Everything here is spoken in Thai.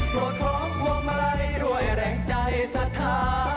ก่อท้องวงไม้รวยแรงใจสะท้า